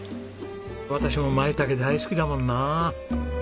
私もマイタケ大好きだもんなあ。